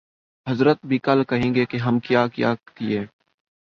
حضرت بھی کل کہیں گے کہ ہم کیا کیا کیے